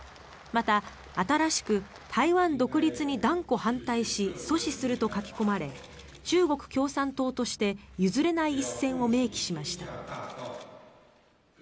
また、新しく台湾独立に断固反対し阻止すると書き込まれ中国共産党として譲れない一線を明記しました。